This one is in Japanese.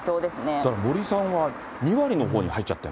だから森さんは、２割のほうに入っちゃってる。